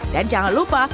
dan jangan lupa